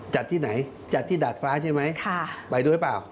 จัดที่ไหนจัดที่ดาดฟ้าใช่ไหมไปด้วยเปล่า